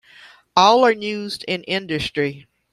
All are used in industry.